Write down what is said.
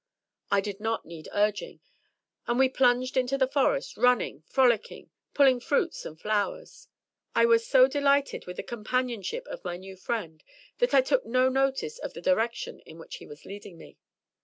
I did not need urging, and we plunged into the Forest, running, frolicking, pulling fruits and flowers. I was so delighted with the companionship of my new friend that I took no notice of the direction in which he was leading me.